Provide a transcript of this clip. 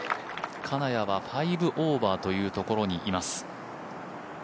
金谷は５オーバーというところにいます。